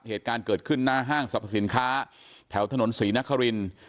เหตุการณ์เกิดขึ้นหน้าห้างสรรพสินค้าแถวถนนศรีนคริน